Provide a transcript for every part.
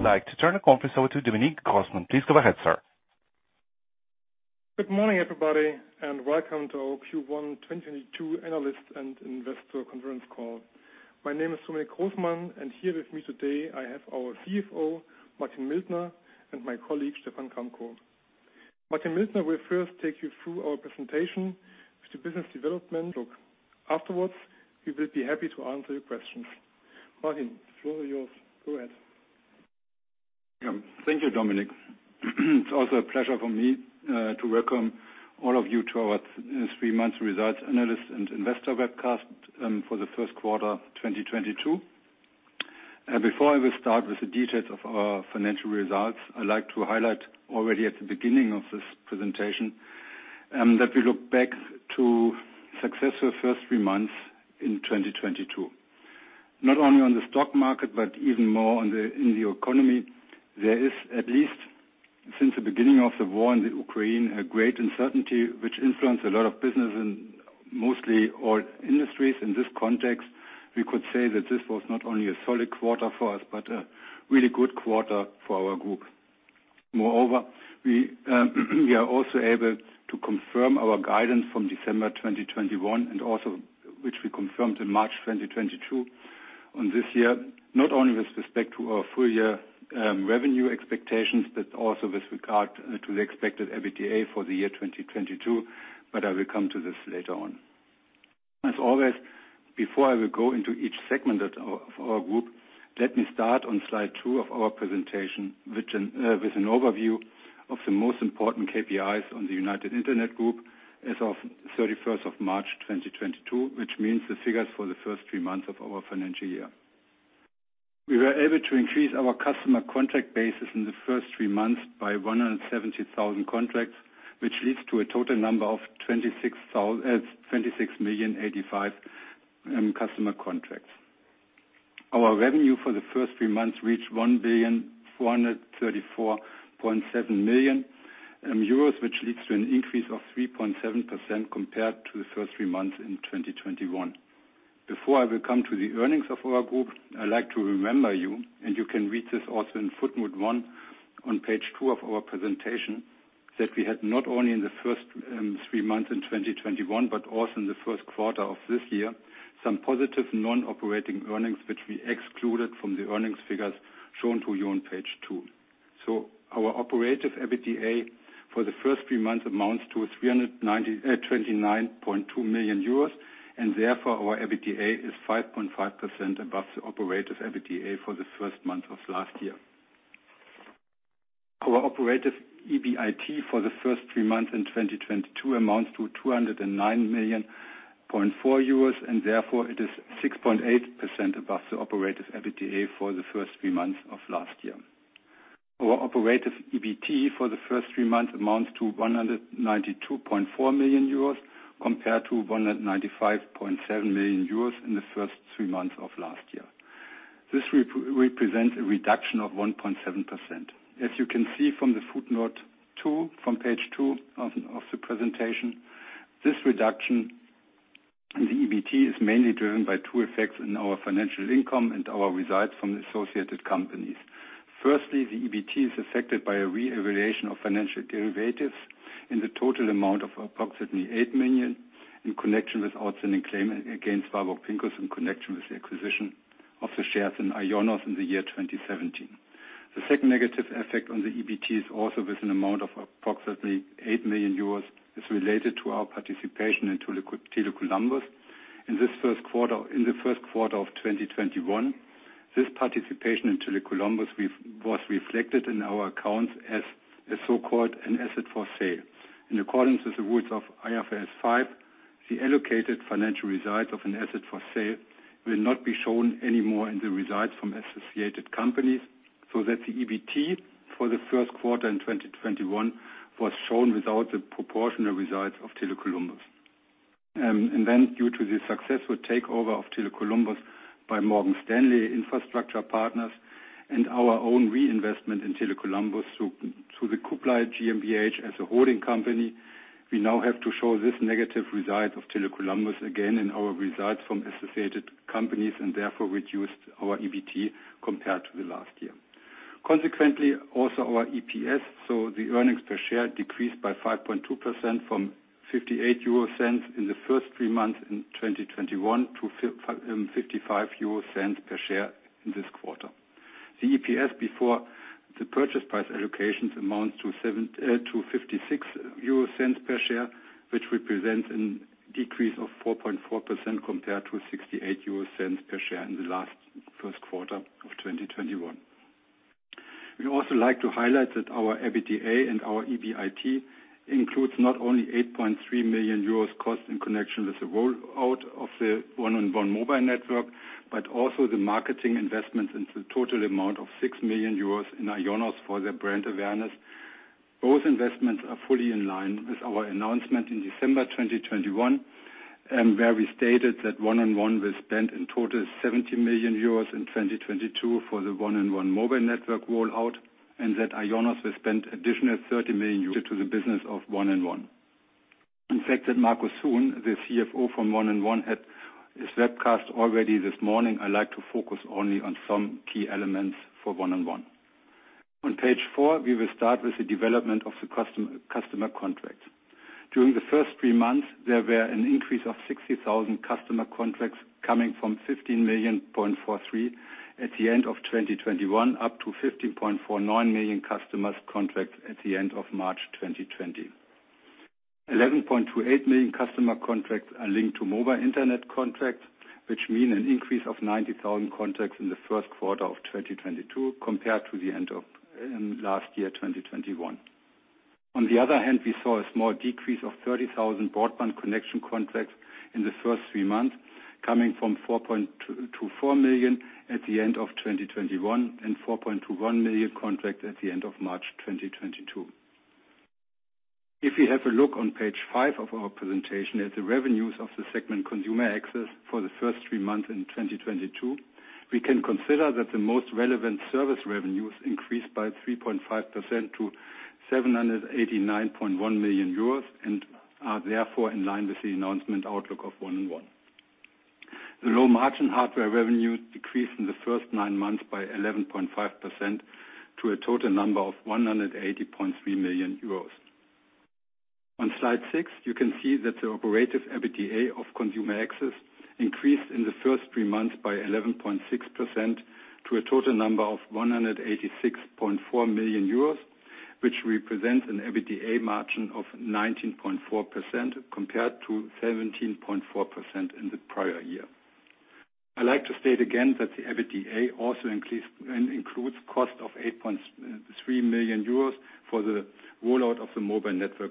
I'd like to turn the conference over to Dominic Grossman. Please go ahead, sir. Good morning, everybody, and welcome to our Q1 2022 analyst and investor conference call. My name is Dominic Grossman, and here with me today, I have our CFO, Martin Mildner, and my colleague, Stephan Gramkow. Martin Mildner will first take you through our presentation with the business development look. Afterwards, we will be happy to answer your questions. Martin, it's all yours. Go ahead. Thank you, Dominic. It's also a pleasure for me to welcome all of you to our three months results analyst and investor webcast for the first quarter, 2022. Before I will start with the details of our financial results, I'd like to highlight already at the beginning of this presentation that we look back to successful first three months in 2022. Not only on the stock market, but even more on the, in the economy. There is, at least since the beginning of the war in the Ukraine, a great uncertainty which influenced a lot of business in mostly all industries. In this context, we could say that this was not only a solid quarter for us, but a really good quarter for our group. Moreover, we are also able to confirm our guidance from December 2021, and also which we confirmed in March 2022 for this year, not only with respect to our full year revenue expectations, but also with regard to the expected EBITDA for the year 2022, but I will come to this later on. As always, before I will go into each segment of our group, let me start on slide two of our presentation, which with an overview of the most important KPIs on the United Internet group as of 31st March 2022, which means the figures for the first three months of our financial year. We were able to increase our customer contract bases in the first three months by 170,000 contracts, which leads to a total number of 26,085,000 customer contracts. Our revenue for the first three months reached 1,434.7 million euros, which leads to an increase of 3.7% compared to the first three months in 2021. Before I will come to the earnings of our group, I like to remind you, and you can read this also in footnote one on page two of our presentation, that we had not only in the first three months in 2021, but also in the first quarter of this year, some positive non-operating earnings which we excluded from the earnings figures shown to you on page two. Our operative EBITDA for the first three months amounts to 329.2 million euros, and therefore our EBITDA is 5.5% above the operative EBITDA for the first three months of last year. Our operative EBIT for the first three months in 2022 amounts to 209.4 million, and therefore it is 6.8% above the operative EBITDA for the first three months of last year. Our operative EBT for the first three months amounts to 192.4 million euros, compared to 195.7 million euros in the first three months of last year. This represents a reduction of 1.7%. As you can see from footnote two, from page two of the presentation, this reduction in the EBT is mainly driven by two effects in our financial income and our results from the associated companies. Firstly, the EBT is affected by a reevaluation of financial derivatives in the total amount of approximately 8 million in connection with outstanding claim against 1&1 in connection with the acquisition of the shares in IONOS in the year 2017. The second negative effect on the EBT, also with an amount of approximately 8 million euros, is related to our participation in Tele Columbus. In the first quarter of 2021, this participation in Tele Columbus was reflected in our accounts as a so-called asset for sale. In accordance with the rules of IFRS 5, the allocated financial results of an asset for sale will not be shown anymore in the results from associated companies, so that the EBT for the first quarter in 2021 was shown without the proportional results of Tele Columbus. Due to the successful takeover of Tele Columbus by Morgan Stanley Infrastructure Partners and our own reinvestment in Tele Columbus through the Kublai GmbH as a holding company, we now have to show this negative result of Tele Columbus again in our results from associated companies, and therefore reduced our EBT compared to the last year. Consequently, also our EPS, so the earnings per share decreased by 5.2% from 0.58 in the first three months in 2021 to 0.55 per share in this quarter. The EPS before the purchase price allocations amounts to 0.56 per share, which represents a decrease of 4.4% compared to 0.68 per share in the first quarter of 2021. We also like to highlight that our EBITDA and our EBIT includes not only 8.3 million euros cost in connection with the rollout of the 1&1 mobile network, but also the marketing investments into total amount of 6 million euros in IONOS for their brand awareness. Both investments are fully in line with our announcement in December 2021, where we stated that 1&1 will spend in total 70 million euros in 2022 for the 1&1 mobile network rollout, and that IONOS will spend additional 30 million euros due to the business of 1&1. In fact, that Markus Huhn, the CFO from 1&1, had his webcast already this morning. I'd like to focus only on some key elements for 1&1. On page four, we will start with the development of the customer contract. During the first three months, there were an increase of 60,000 customer contracts coming from 15.43 million at the end of 2021, up to 15.49 million customer contracts at the end of March 2022. 11.28 million customer contracts are linked to mobile internet contracts, which mean an increase of 90,000 contracts in the first quarter of 2022 compared to the end of last year, 2021. On the other hand, we saw a small decrease of 30,000 broadband connection contracts in the first three months, coming from 4.24 million at the end of 2021 and 4.21 million contracts at the end of March 2022. If you have a look on page five of our presentation at the revenues of the segment Consumer Access for the first three months in 2022, we can consider that the most relevant service revenues increased by 3.5% to 789.1 million euros and are therefore in line with the announcement outlook of 1&1. The low-margin hardware revenues decreased in the first nine months by 11.5% to a total of 180.3 million euros. On slide six, you can see that the operative EBITDA of Consumer Access increased in the first three months by 11.6% to a total of 186.4 million euros, which represents an EBITDA margin of 19.4% compared to 17.4% in the prior year. I'd like to state again that the EBITDA also includes cost of 8.3 million euros for the rollout of the mobile network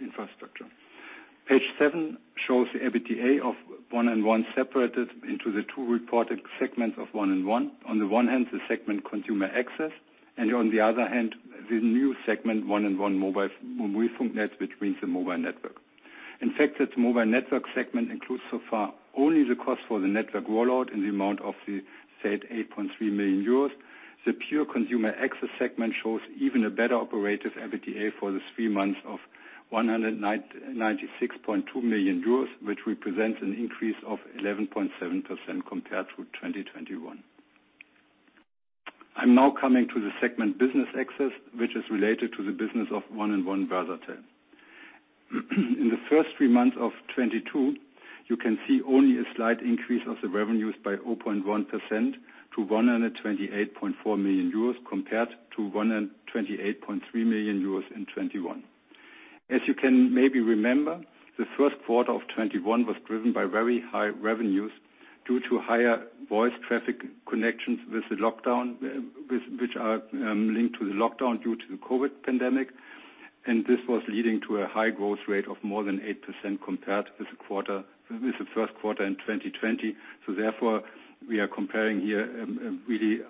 infrastructure. Page seven shows the EBITDA of 1&1 separated into the two reported segments of 1&1. On the one hand, the Consumer Access segment, and on the other hand, the new segment, 1&1 mobile network. In fact, that mobile network segment includes so far only the cost for the network rollout in the amount of the said 8.3 million euros. The pure Consumer Access segment shows even a better operating EBITDA for the three months of 96.2 million euros, which represents an increase of 11.7% compared to 2021. I'm now coming to the Business Access segment, which is related to the business of 1&1 Versatel. In the first three months of 2022, you can see only a slight increase of the revenues by 0.1% to 128.4 million euros compared to 128.3 million euros in 2021. As you can maybe remember, the first quarter of 2021 was driven by very high revenues due to higher voice traffic connections with the lockdown, which are linked to the lockdown due to the COVID pandemic. This was leading to a high growth rate of more than 8% compared with the first quarter in 2020. Therefore, we are comparing here really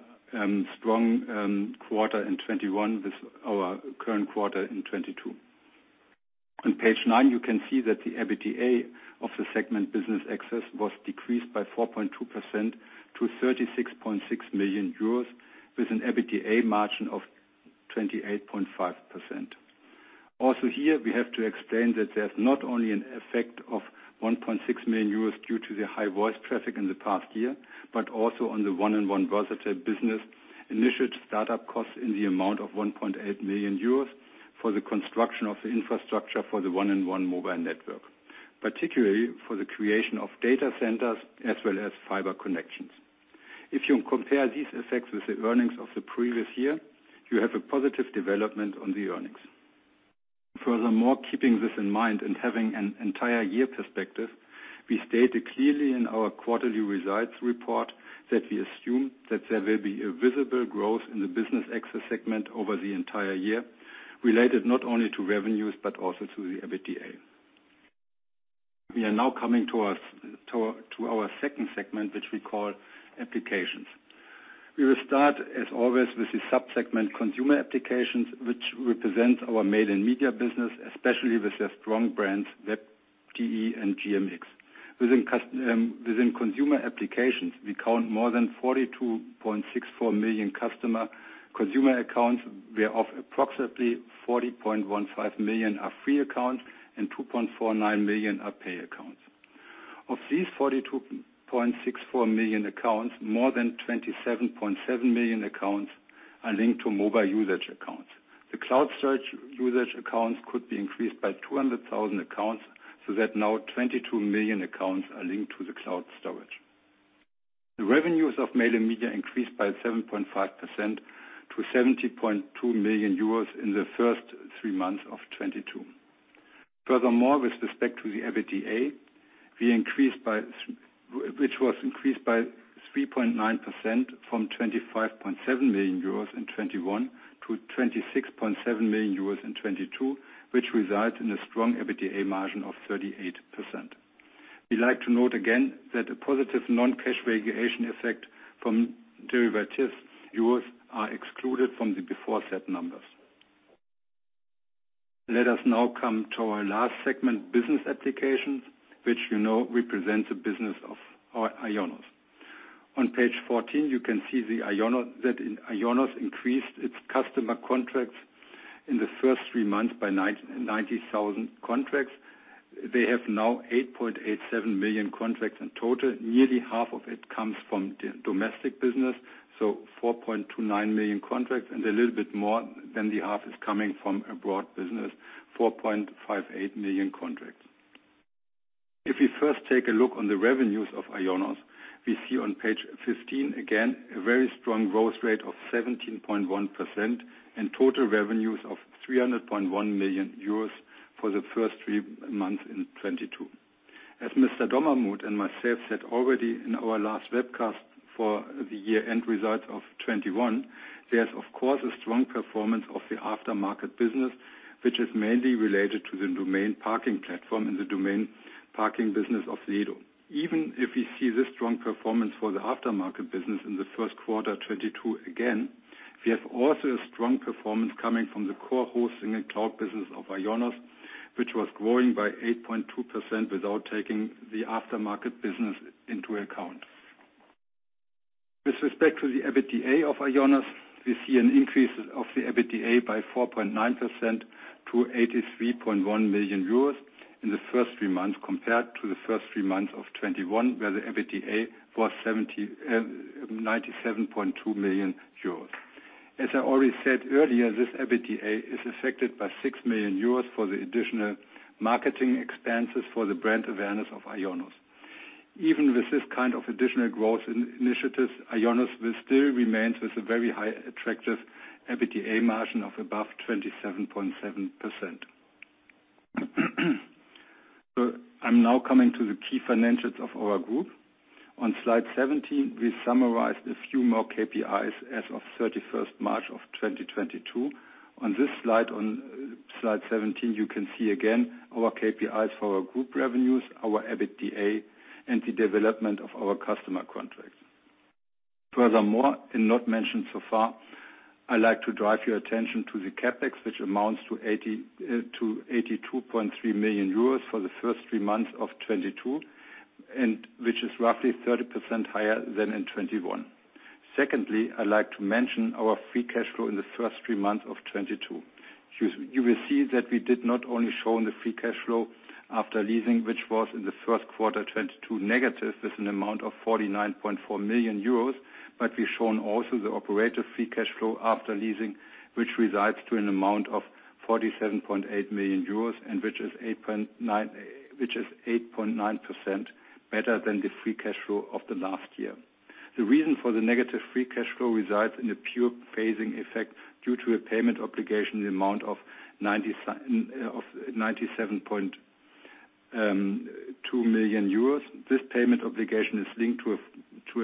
strong quarter in 2021 with our current quarter in 2022. On page nine, you can see that the EBITDA of the segment Business Access was decreased by 4.2% to 36.6 million euros, with an EBITDA margin of 28.5%. Also here, we have to explain that there's not only an effect of 1.6 million euros due to the high voice traffic in the past year, but also on the 1&1 Versatel business initial startup costs in the amount of 1.8 million euros for the construction of the infrastructure for the 1&1 mobile network, particularly for the creation of data centers as well as fiber connections. If you compare these effects with the earnings of the previous year, you have a positive development on the earnings. Furthermore, keeping this in mind and having an entire year perspective, we stated clearly in our quarterly results report that we assume that there will be a visible growth in the Business Access segment over the entire year, related not only to revenues but also to the EBITDA. We are now coming to our second segment, which we call Applications. We will start, as always, with the sub-segment Consumer Applications, which represents our Mail & Media business, especially with the strong brands WEB.DE and GMX. Within Consumer Applications, we count more than 42.64 million consumer accounts, whereof approximately 40.15 million are free accounts and 2.49 million are pay accounts. Of these 42.64 million accounts, more than 27.7 million accounts are linked to mobile usage accounts. The cloud storage usage accounts could be increased by 200,000 accounts, so that now 22 million accounts are linked to the cloud storage. The revenues of Mail & Media increased by 7.5% to 70.2 million euros in the first three months of 2022. Furthermore, with respect to the EBITDA, which was increased by 3.9% from 25.7 million euros in 2021 to 26.7 million euros in 2022, which results in a strong EBITDA margin of 38%. We like to note again that a positive non-cash valuation effect from derivatives in euros are excluded from the aforementioned numbers. Let us now come to our last segment, Business Applications, which you know represents the business of our IONOS. On page 14, you can see the IONOS, that IONOS increased its customer contracts in the first three months by 90,000 contracts. They have now 8.87 million contracts in total. Nearly half of it comes from the domestic business, so 4.29 million contracts, and a little bit more than the half is coming from abroad business, 4.58 million contracts. If we first take a look on the revenues of IONOS, we see on page 15, again, a very strong growth rate of 17.1% and total revenues of 300.1 million euros for the first three months in 2022. As Mr. Dommermuth and myself said already in our last webcast for the year-end results of 2021. There's of course a strong performance of the aftermarket business, which is mainly related to the domain parking platform and the domain parking business of Sedo. Even if we see this strong performance for the aftermarket business in the first quarter 2022, again, we have also a strong performance coming from the core hosting and cloud business of IONOS, which was growing by 8.2% without taking the aftermarket business into account. With respect to the EBITDA of IONOS, we see an increase of the EBITDA by 4.9% to 83.1 million euros in the first three months compared to the first three months of 2021, where the EBITDA was 79.2 million euros. As I already said earlier, this EBITDA is affected by 6 million euros for the additional marketing expenses for the brand awareness of IONOS. Even with this kind of additional growth in initiatives, IONOS will still remain with a very high attractive EBITDA margin of above 27.7%. I'm now coming to the key financials of our group. On slide 17, we summarized a few more KPIs as of 31st March 2022. On this slide, on slide 17, you can see again our KPIs for our group revenues, our EBITDA, and the development of our customer contracts. Furthermore, and not mentioned so far, I'd like to draw your attention to the CapEx, which amounts to 82.3 million euros for the first three months of 2022, and which is roughly 30% higher than in 2021. Secondly, I'd like to mention our free cash flow in the first three months of 2022. You will see that we did not only show the free cash flow after leasing, which was in the first quarter 2022 -49.4 million euros, but we've shown also the operator free cash flow after leasing, which results in an amount of 47.8 million euros, and which is 8.9% better than the free cash flow of the last year. The reason for the negative free cash flow results in a pure phasing effect due to a payment obligation in the amount of 97.2 million euros. This payment obligation is linked to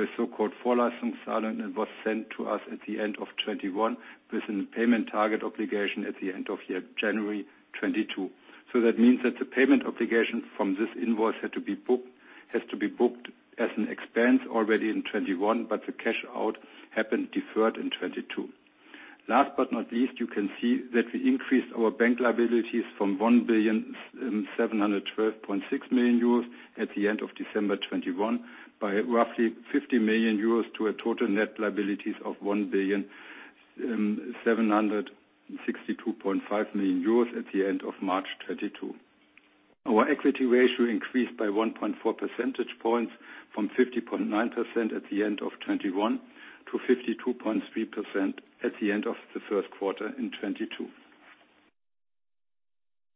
a so-called and was sent to us at the end of 2021 with a payment target obligation at the end of the year January 2022. That means that the payment obligation from this invoice had to be booked, has to be booked as an expense already in 2021, but the cash out happened deferred in 2022. Last but not least, you can see that we increased our bank liabilities from 1,712.6 million euros at the end of December 2021 by roughly 50 million euros to a total net liabilities of 1,762.5 million euros at the end of March 2022. Our equity ratio increased by 1.4 percentage points from 50.9% at the end of 2021 to 52.3% at the end of the first quarter in 2022.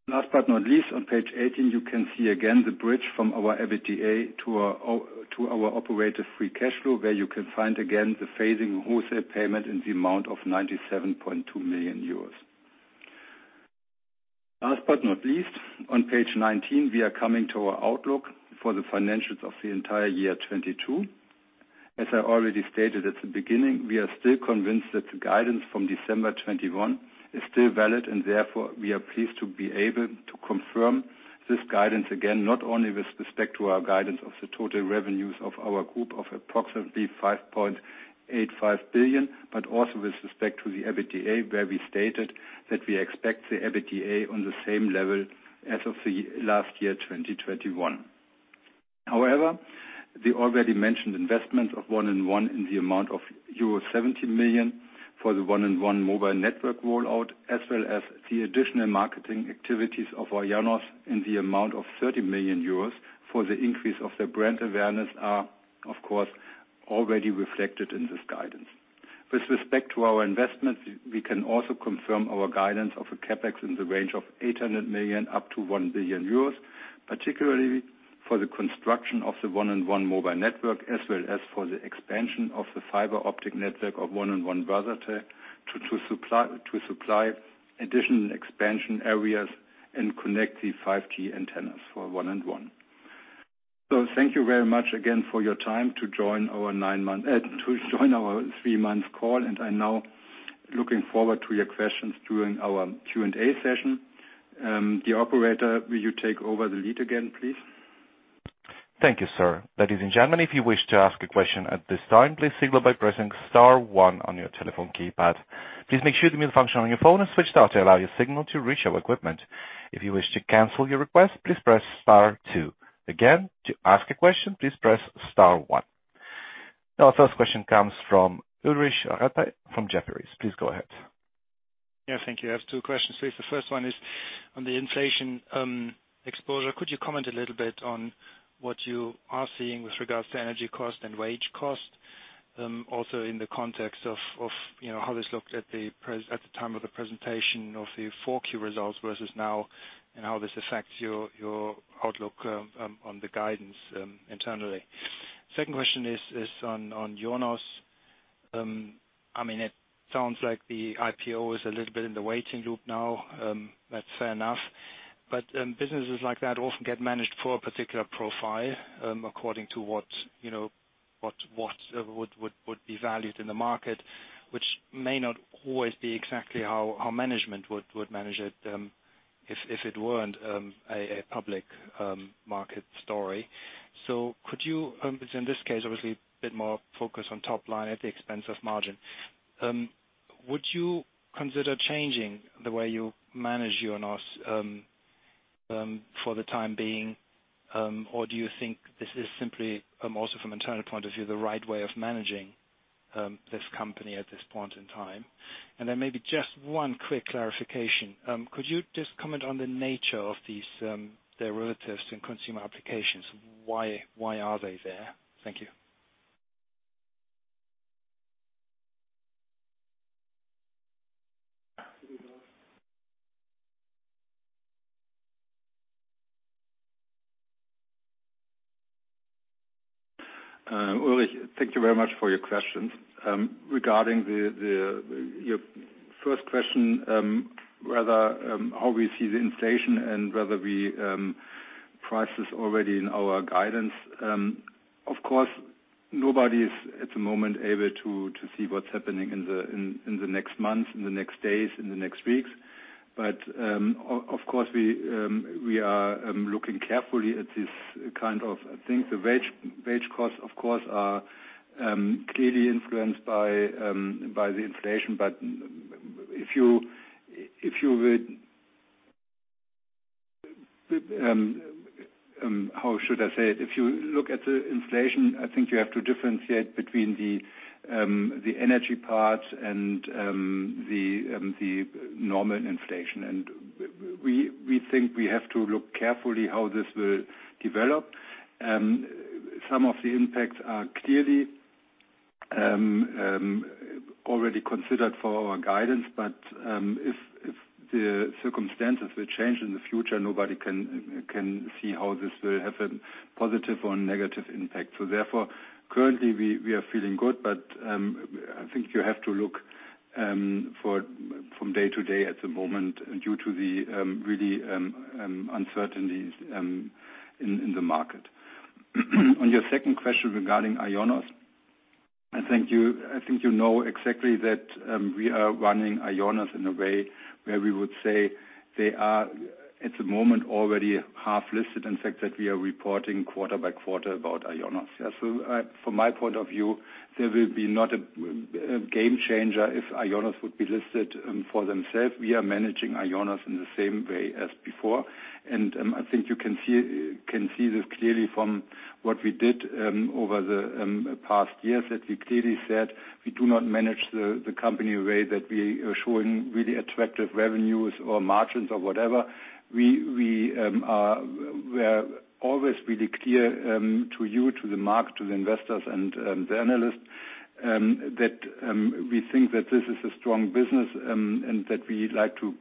Last but not least, on page 18, you can see again the bridge from our EBITDA to our operator free cash flow, where you can find again the phasing wholesale payment in the amount of 97.2 million euros. Last but not least, on page 19, we are coming to our outlook for the financials of the entire year 2022. As I already stated at the beginning, we are still convinced that the guidance from December 2021 is still valid, and therefore, we are pleased to be able to confirm this guidance, again, not only with respect to our guidance of the total revenues of our group of approximately 5.85 billion, but also with respect to the EBITDA, where we stated that we expect the EBITDA on the same level as of the last year, 2021. However, the already mentioned investments of 1&1 in the amount of euro 70 million for the 1&1 mobile network rollout, as well as the additional marketing activities of IONOS in the amount of 30 million euros for the increase of the brand awareness are, of course, already reflected in this guidance. With respect to our investments, we can also confirm our guidance of a CapEx in the range of 800 million-1 billion euros, particularly for the construction of the 1&1 mobile network, as well as for the expansion of the fiber optic network of 1&1 Versatel to supply additional expansion areas and connect the five key antennas for 1&1. Thank you very much again for your time to join our three-month call, and I'm now looking forward to your questions during our Q&A session. The operator, will you take over the lead again, please? Thank you, sir. Ladies and gentlemen, if you wish to ask a question at this time, please signal by pressing star one on your telephone keypad. Please make sure the mute function on your phone is switched off to allow your signal to reach our equipment. If you wish to cancel your request, please press star two. Again, to ask a question, please press star one. Our first question comes from Ulrich Rathe from Jefferies. Please go ahead. Yeah, thank you. I have two questions, please. The first one is on the inflation exposure. Could you comment a little bit on what you are seeing with regards to energy cost and wage cost, also in the context of, you know, how this looked at the time of the presentation of the Q4 results versus now and how this affects your outlook on the guidance internally. Second question is on IONOS. I mean it sounds like the IPO is a little bit in the waiting loop now. That's fair enough. Businesses like that often get managed for a particular profile according to what, you know, what would be valued in the market which may not always be exactly how our management would manage it if it weren't a public market story. So could you, which in this case obviously a bit more focused on top line at the expense of margin, would you consider changing the way you manage IONOS for the time being or do you think this is simply also from internal point of view the right way of managing this company at this point in time? Maybe just one quick clarification. Could you just comment on the nature of these derivatives in Consumer Applications? Why are they there? Thank you. Ulrich, thank you very much for your questions. Regarding your first question, whether, how we see the inflation and whether we price this already in our guidance. Of course, nobody is at the moment able to see what's happening in the next months, in the next days, in the next weeks. Of course, we are looking carefully at this kind of things. The wage costs, of course, are clearly influenced by the inflation. If you would. How should I say it? If you look at the inflation, I think you have to differentiate between the energy part and the normal inflation. We think we have to look carefully how this will develop. Some of the impacts are clearly already considered for our guidance. If the circumstances will change in the future, nobody can see how this will have a positive or negative impact. Currently we are feeling good, but I think you have to look from day to day at the moment due to the real uncertainties in the market. On your second question regarding IONOS, I think you know exactly that we are running IONOS in a way where we would say they are at the moment already half listed. In fact, that we are reporting quarter by quarter about IONOS. From my point of view, there will not be a game changer if IONOS would be listed for themselves. We are managing IONOS in the same way as before. I think you can see this clearly from what we did over the past years, that we clearly said we do not manage the company in a way that we are showing really attractive revenues or margins or whatever. We're always really clear to you, to the market, to the investors and the analysts that we think that this is a strong business and that we like to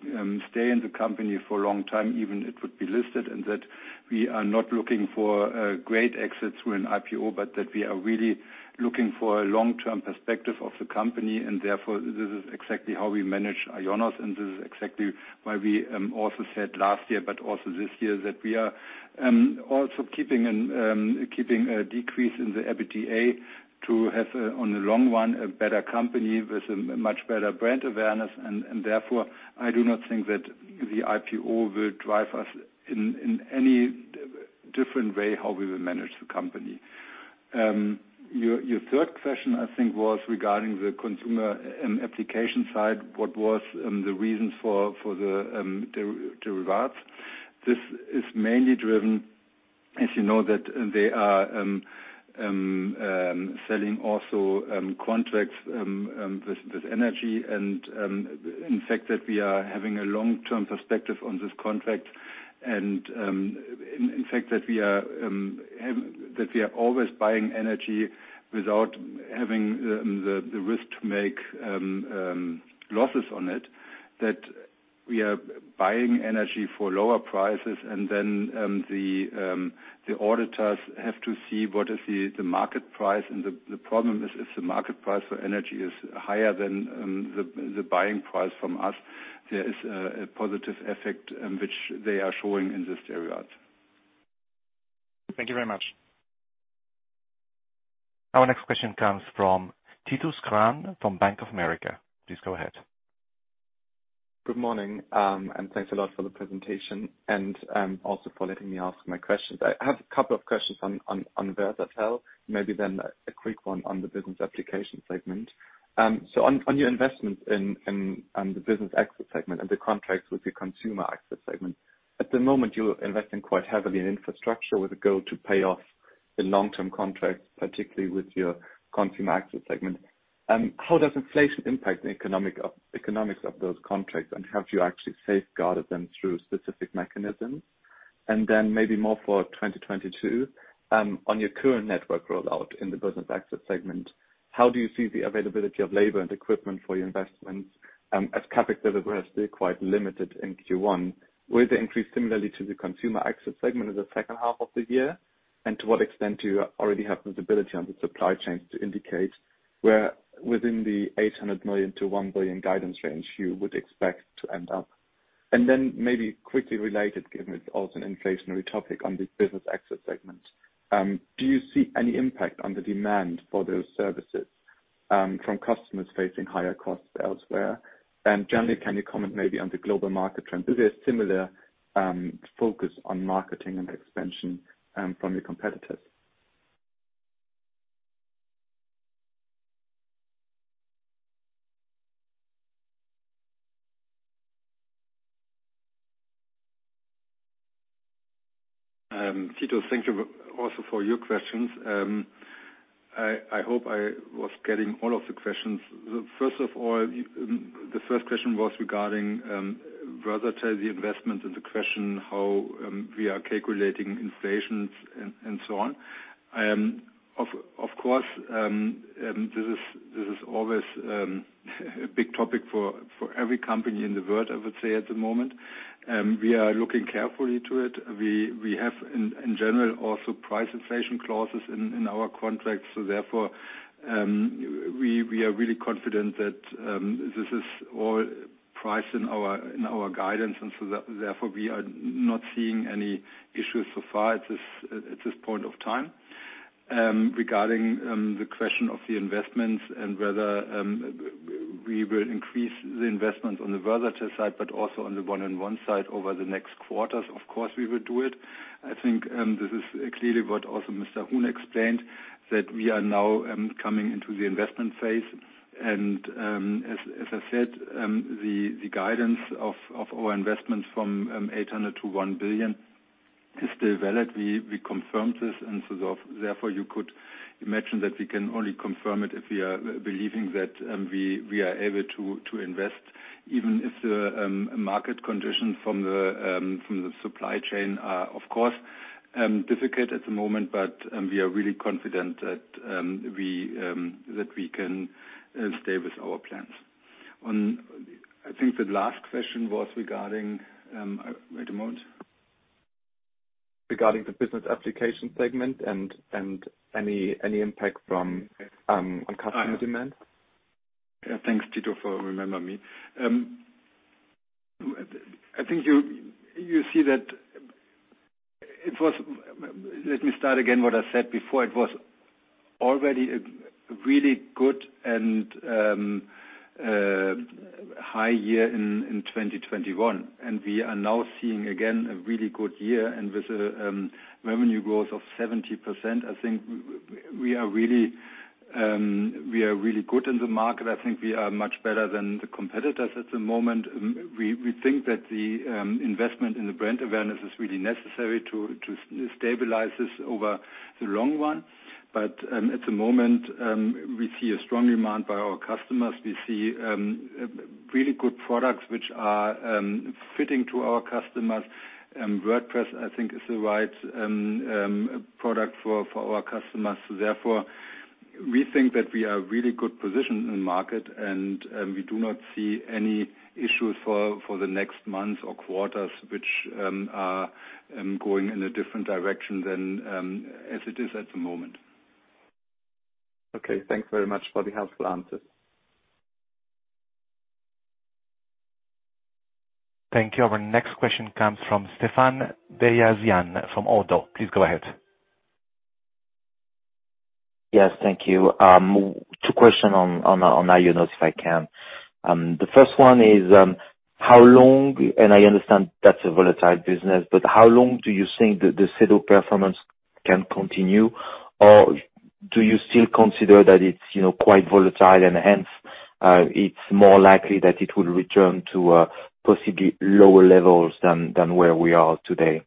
stay in the company for a long time, even it would be listed, and that we are not looking for great exits through an IPO, but that we are really looking for a long-term perspective of the company. Therefore, this is exactly how we manage IONOS. This is exactly why we also said last year, but also this year, that we are also keeping a decrease in the EBITDA to have on the long run, a better company with a much better brand awareness. Therefore, I do not think that the IPO will drive us in any different way how we will manage the company. Your third question, I think, was regarding the consumer application side. What was the reasons for the revups. This is mainly driven, as you know, that they are selling also contracts with energy and in fact, that we are having a long-term perspective on this contract and in fact, that we are always buying energy without having the risk to make losses on it. That we are buying energy for lower prices and then the auditors have to see what is the market price. The problem is, if the market price for energy is higher than the buying price from us, there is a positive effect which they are showing in this area. Thank you very much. Our next question comes from Titus Krahn from Bank of America. Please go ahead. Good morning, and thanks a lot for the presentation and also for letting me ask my questions. I have a couple of questions on Versatel. Maybe then a quick one on the Business Applications segment. Your investments in the Business Access segment and the contracts with the Consumer Access segment. At the moment, you're investing quite heavily in infrastructure with a goal to pay off the long-term contracts, particularly with your Consumer Access segment. How does inflation impact the economics of those contracts? And have you actually safeguarded them through specific mechanisms? Maybe more for 2022 on your current network rollout in the Business Access segment, how do you see the availability of labor and equipment for your investments, as CapEx delivery has been quite limited in Q1? Will they increase similarly to the Consumer Access segment in the second half of the year? To what extent do you already have visibility on the supply chains to indicate where within the 800 million-1 billion guidance range you would expect to end up? Then maybe quickly related, given it's also an inflationary topic on this Business Access segment, do you see any impact on the demand for those services, from customers facing higher costs elsewhere? Generally, can you comment maybe on the global market trend? Is there a similar focus on marketing and expansion, from your competitors? Titus, thank you also for your questions. I hope I was getting all of the questions. First of all, the first question was regarding Versatel's investment and the question how we are calculating inflation and so on. Of course, this is always a big topic for every company in the world, I would say at the moment. We are looking carefully to it. We have in general also price inflation clauses in our contracts. So therefore, we are really confident that this is all priced in our guidance. Therefore we are not seeing any issues so far at this point of time. Regarding the question of the investments and whether we will increase the investments on the Versatel side, but also on the 1&1 side over the next quarters, of course we will do it. I think this is clearly what also Mr. Huhn explained, that we are now coming into the investment phase. As I said, the guidance of our investment from 800 million to 1 billion is still valid. We confirm this, and so therefore, you could imagine that we can only confirm it if we are believing that we are able to invest, even if the market conditions from the supply chain are, of course, difficult at the moment. We are really confident that we can stay with our plans. I think the last question was regarding, wait a moment. Regarding the Business Applications segment and any impact on customer demand. Thanks, Titus, for remembering me. I think you see that it was already a really good and high year in 2021, and we are now seeing again a really good year. With revenue growth of 70%, I think we are really good in the market. I think we are much better than the competitors at the moment. We think that the investment in the brand awareness is really necessary to stabilize this over the long run. At the moment, we see a strong demand by our customers. We see really good products which are fitting to our customers. WordPress, I think, is the right product for our customers. Therefore we think that we are really good position in the market and we do not see any issues for the next months or quarters which are going in a different direction than as it is at the moment. Okay. Thank you very much for the helpful answers. Thank you. Our next question comes from Stephane Beyazian from Oddo. Please go ahead. Yes, thank you. Two questions on IONOS, if I can. The first one is: How long, and I understand that's a volatile business, but how long do you think this set of performance can continue, or do you still consider that it's, you know, quite volatile and hence, it's more likely that it will return to, possibly lower levels than where we are today?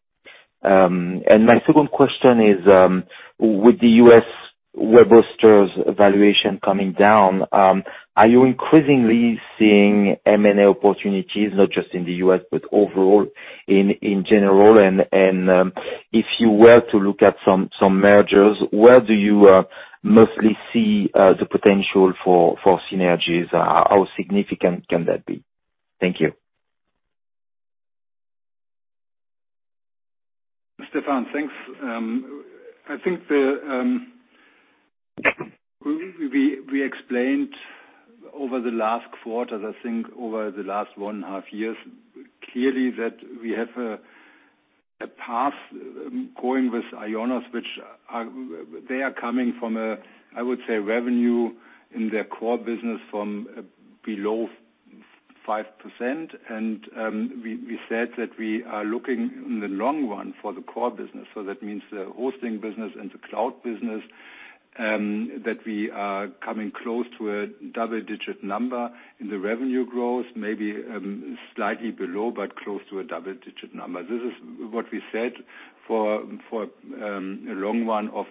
And my second question is: With the U.S. web hosters' valuation coming down, are you increasingly seeing M&A opportunities not just in the U.S., but overall in general? And, if you were to look at some mergers, where do you mostly see the potential for synergies? How significant can that be? Thank you. Stephane, thanks. I think we explained over the last quarters, I think over the last 1.5 years, clearly that we have a path going with IONOS, which they are coming from a, I would say, revenue in their core business from below 5%. We said that we are looking in the long run for the core business. That means the hosting business and the cloud business, that we are coming close to a double-digit number in the revenue growth, maybe slightly below, but close to a double-digit number. This is what we said for a long run of,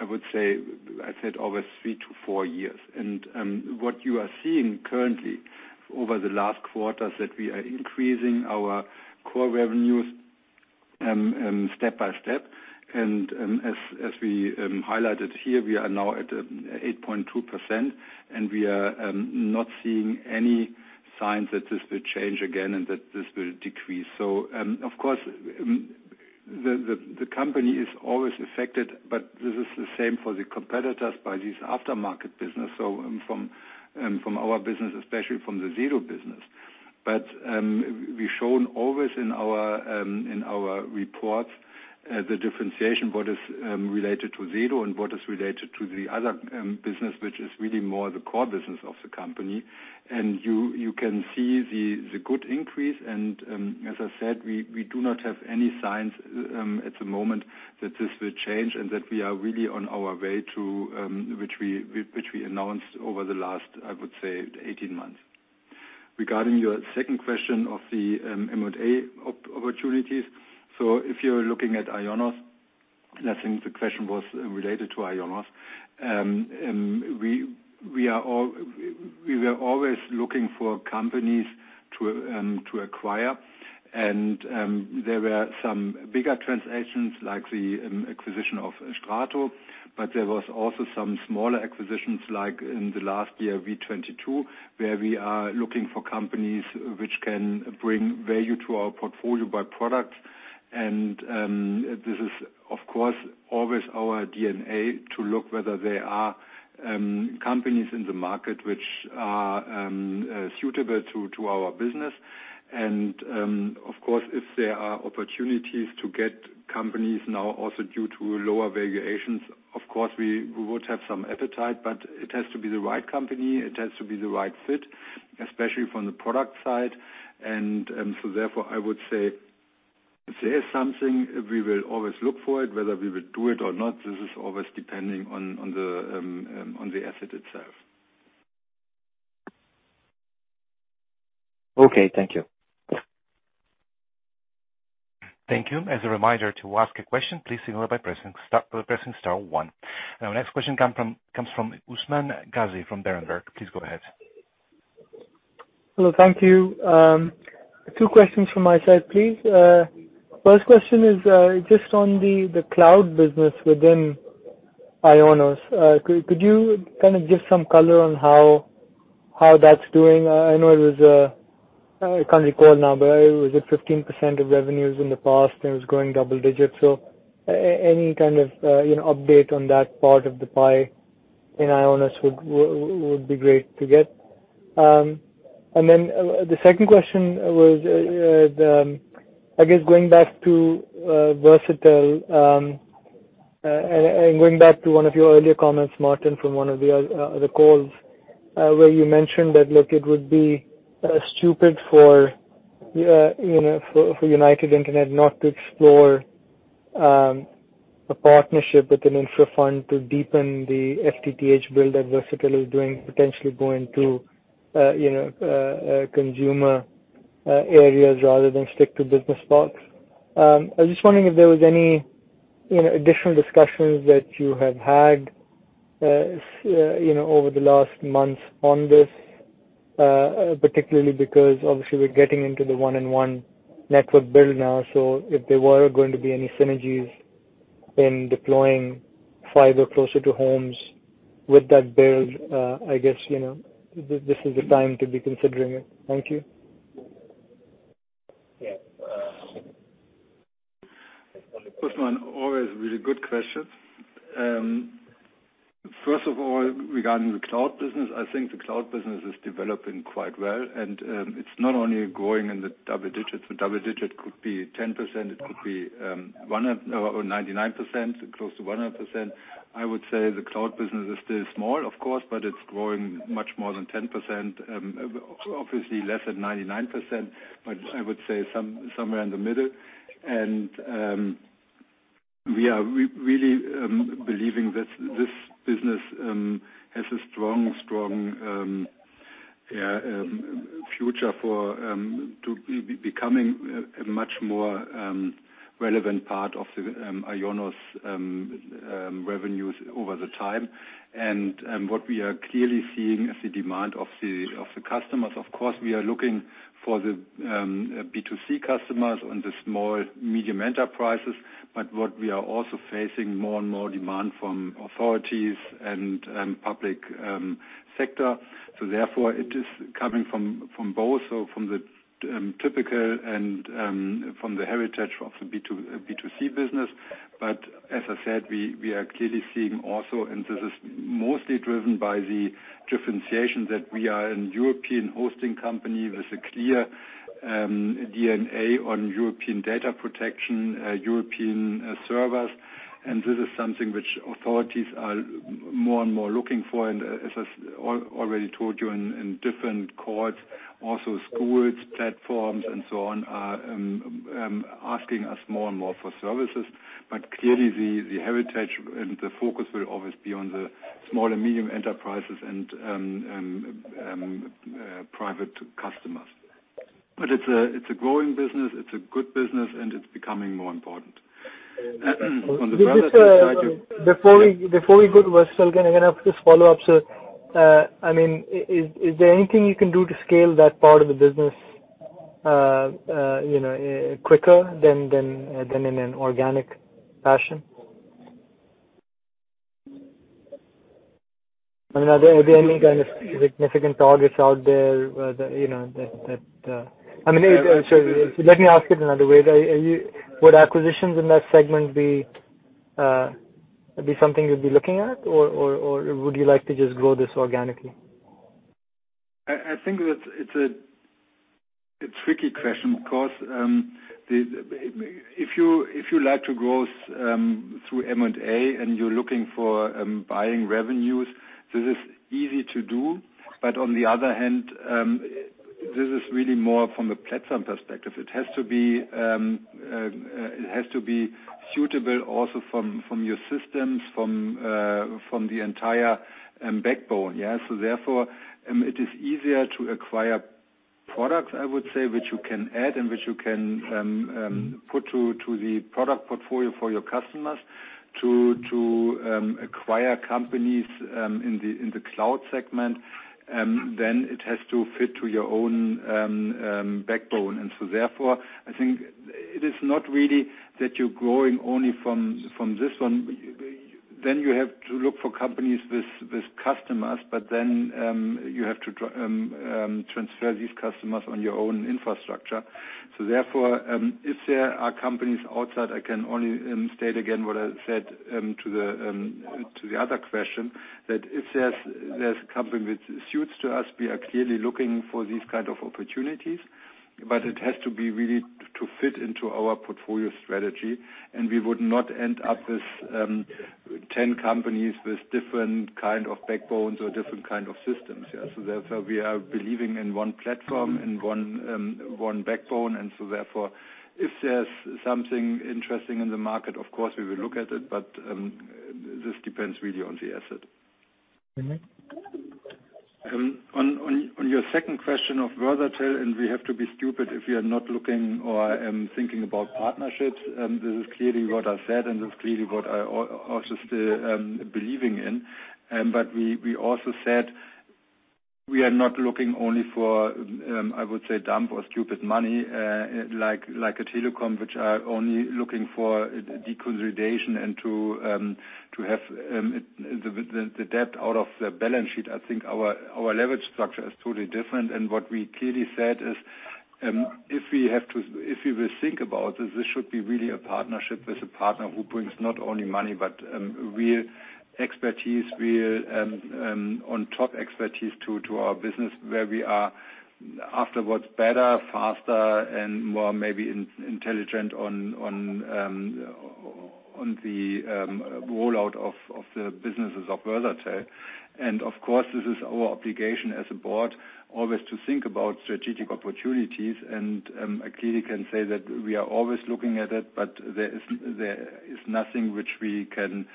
I would say, I said over three to four years. What you are seeing currently over the last quarters is that we are increasing our core revenues step by step. As we highlighted here, we are now at 8.2%, and we are not seeing any signs that this will change again and that this will decrease. Of course, the company is always affected, but this is the same for the competitors by this aftermarket business. From our business, especially from the Sedo business. We've shown always in our reports the differentiation, what is related to Sedo and what is related to the other business, which is really more the core business of the company. You can see the good increase. As I said, we do not have any signs at the moment that this will change and that we are really on our way to which we announced over the last, I would say, 18 months. Regarding your second question of the M&A opportunities. If you're looking at IONOS, and I think the question was related to IONOS, we were always looking for companies to acquire. There were some bigger transactions like the acquisition of Strato. There was also some smaller acquisitions, like in the last year, 2022, where we are looking for companies which can bring value to our portfolio by products. This is of course always our DNA to look whether there are companies in the market which are suitable to our business. Of course, if there are opportunities to get companies now also due to lower valuations, of course we would have some appetite, but it has to be the right company, it has to be the right fit, especially from the product side. I would say if there is something, we will always look for it. Whether we will do it or not, this is always depending on the asset itself. Okay. Thank you. Thank you. As a reminder to ask a question, please signal by pressing star one. Our next question comes from Usman Ghazi from Berenberg. Please go ahead. Hello. Thank you. Two questions from my side, please. First question is just on the cloud business within IONOS. Could you kind of give some color on how that's doing? I know it was, I can't recall now, but was it 15% of revenues in the past, and it was growing double digits. Any kind of, you know, update on that part of the pie in IONOS would be great to get. The second question was, I guess, going back to Versatel, and going back to one of your earlier comments, Martin, from one of the other calls, where you mentioned that, look, it would be stupid for you know, for United Internet not to explore a partnership with an infra fund to deepen the FTTH build that Versatel is doing, potentially going to, you know, consumer areas rather than stick to business parks. I was just wondering if there was any, you know, additional discussions that you have had, you know, over the last month on this, particularly because obviously we're getting into the 1&1 network build now. If there were going to be any synergies in deploying fiber closer to homes with that build, I guess, you know, this is the time to be considering it. Thank you. Yeah. Usman, always really good questions. First of all, regarding the cloud business, I think the cloud business is developing quite well, and it's not only growing in the double digits. The double digit could be 10%, it could be one hundred or 99%, close to 100%. I would say the cloud business is still small, of course, but it's growing much more than 10%, obviously less than 99%, but I would say somewhere in the middle. We are really believing that this business has a strong future for becoming a much more relevant part of the IONOS's revenues over the time. What we are clearly seeing is the demand of the customers. Of course, we are looking for the B2B customers in the small, medium enterprises, but what we are also facing more and more demand from authorities and public sector. Therefore it is coming from both, from the typical and from the heritage of the B2B business. As I said, we are clearly seeing also, and this is mostly driven by the differentiation that we are a European hosting company with a clear DNA on European data protection, European servers. This is something which authorities are more and more looking for. As I already told you in different contexts, also schools, platforms, and so on, are asking us more and more for services. Clearly the heritage and the focus will always be on the small and medium enterprises and private customers. It's a growing business, it's a good business, and it's becoming more important. On the- This is- Yeah. Before we go to Versatel, can I have just follow up, sir? I mean, is there anything you can do to scale that part of the business, you know, quicker than in an organic fashion? I mean, are there any kind of significant targets out there, that you know that? I mean, sorry. Let me ask it another way. Would acquisitions in that segment be something you'd be looking at, or would you like to just grow this organically? I think that it's a tricky question because if you like to grow through M&A and you're looking for buying revenues, this is easy to do. On the other hand, this is really more from a platform perspective. It has to be suitable also from your systems, from the entire backbone. Yeah. It is easier to acquire products, I would say, which you can add and which you can put to the product portfolio for your customers to acquire companies in the cloud segment. It has to fit to your own backbone. I think it is not really that you're growing only from this one. You have to look for companies with customers, but then you have to transfer these customers on your own infrastructure. If there are companies outside, I can only state again what I said to the other question, that if there's a company which suits to us, we are clearly looking for these kind of opportunities. It has to be really to fit into our portfolio strategy. We would not end up with 10 companies with different kind of backbones or different kind of systems. Yeah. We are believing in one platform, in one backbone. If there's something interesting in the market, of course we will look at it. This depends really on the asset. Mm-hmm. On your second question of Versatel, we have to be stupid if we are not looking or thinking about partnerships. This is clearly what I said. This is clearly what I also still believing in. But we also said we are not looking only for, I would say, dumb or stupid money, like a telecom which are only looking for deconsolidation and to have the debt out of the balance sheet. I think our leverage structure is totally different. What we clearly said is, if we will think about this should be really a partnership with a partner who brings not only money, but real expertise, on top expertise to our business, where we are afterwards better, faster, and more maybe intelligent on the rollout of the businesses of Versatel. I clearly can say that we are always looking at it, but there is nothing which we can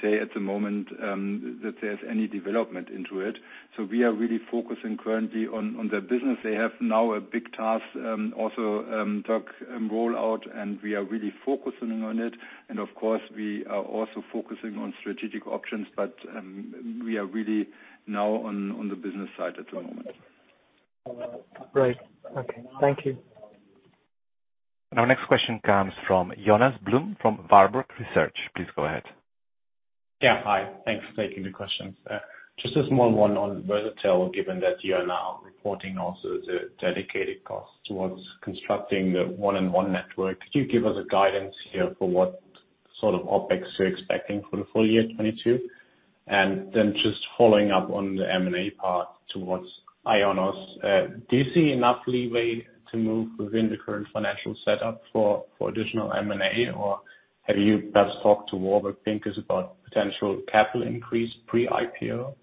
say at the moment that there's any development into it. We are really focusing currently on the business. They have now a big task, also the rollout, and we are really focusing on it. Of course, we are also focusing on strategic options. We are really now on the business side at the moment. Right. Okay. Thank you. Our next question comes from Jonas Blum from Warburg Research. Please go ahead. Yeah. Hi. Thanks for taking the questions. Just a small one on Versatel, given that you are now reporting also the dedicated costs towards constructing the 1&1 network. Could you give us a guidance here for what sort of OpEx you're expecting for the full year 2022? Just following up on the M&A part towards IONOS, do you see enough leeway to move within the current financial setup for additional M&A? Or have you perhaps talked to Warburg Pincus about potential capital increase pre-IPO?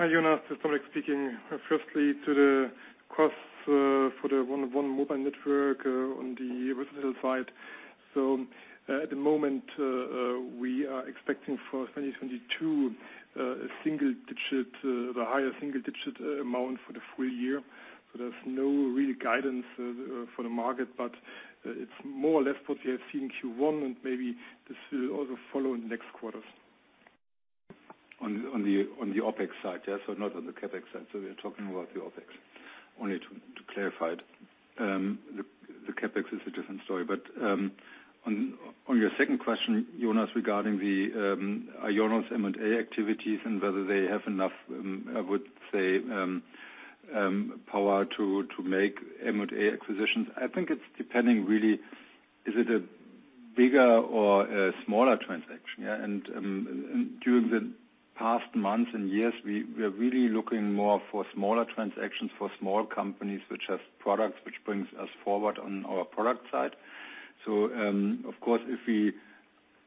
Hi, Jonas. Dominic speaking. Firstly, to the costs for the 1&1 mobile network on the residential side. At the moment, we are expecting for 2022 a single digit, the higher single digit amount for the full year. There's no real guidance for the market, but it's more or less what we have seen in Q1, and maybe this will also follow in the next quarters. On the OpEx side. Not on the CapEx side. We're talking about the OpEx. Only to clarify it. The CapEx is a different story. On your second question, Jonas, regarding the IONOS M&A activities and whether they have enough, I would say, power to make M&A acquisitions. I think it's depending, really, is it a bigger or a smaller transaction, yeah? During the past months and years, we are really looking more for smaller transactions for small companies which have products which brings us forward on our product side. Of course, if we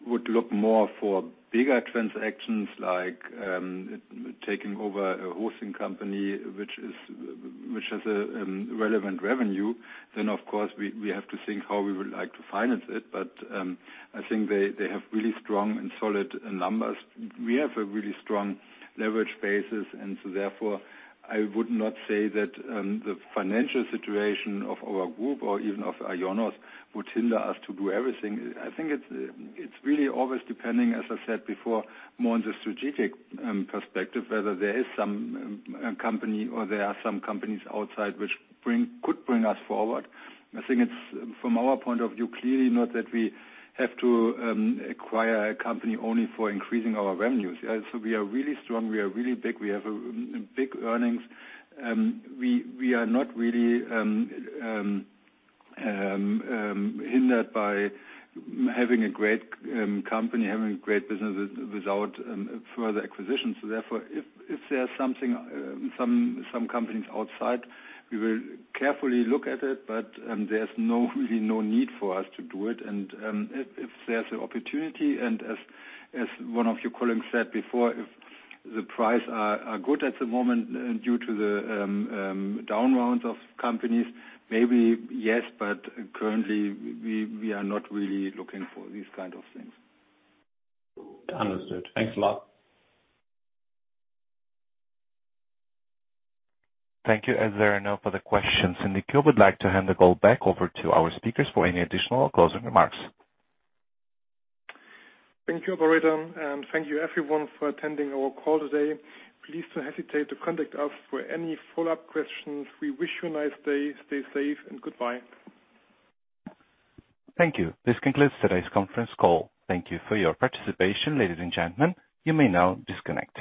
would look more for bigger transactions like taking over a hosting company which has a relevant revenue, then of course we have to think how we would like to finance it. I think they have really strong and solid numbers. We have a really strong leverage basis. Therefore, I would not say that the financial situation of our group or even of IONOS would hinder us to do everything. I think it's really always depending, as I said before, more on the strategic perspective, whether there is some company or there are some companies outside which could bring us forward. I think it's from our point of view, clearly not that we have to acquire a company only for increasing our revenues. We are really strong, we are really big, we have big earnings. We are not really hindered by having a great company, having great business without further acquisitions. Therefore, if there's something, some companies outside, we will carefully look at it, but there's really no need for us to do it. If there's an opportunity, and as one of your colleagues said before, if the prices are good at the moment, due to the down rounds of companies, maybe yes, but currently we are not really looking for these kind of things. Understood. Thanks a lot. Thank you. As there are no further questions in the queue, we'd like to hand the call back over to our speakers for any additional closing remarks. Thank you, operator, and thank you everyone for attending our call today. Please don't hesitate to contact us for any follow-up questions. We wish you a nice day. Stay safe, and goodbye. Thank you. This concludes today's conference call. Thank you for your participation, ladies and gentlemen. You may now disconnect.